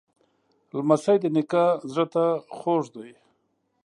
لمسی د نیکه زړه ته خوږ دی.